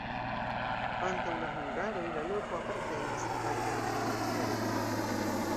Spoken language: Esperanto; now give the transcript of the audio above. Antaŭ la hungaroj la loko apartenis al Grandmoravia Regno.